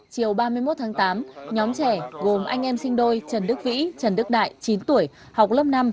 chiều ba mươi một tháng tám nhóm trẻ gồm anh em sinh đôi trần đức vĩ trần đức đại chín tuổi học lớp năm